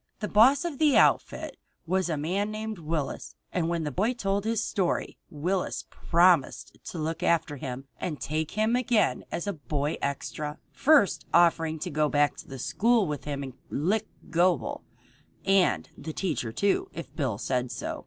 The boss of the outfit was a man named Willis, and when the boy told his story Willis promised to look after him and take him again as a boy extra, first offering to go back to the school with him and lick Gobel, and the teacher too, if Bill said so.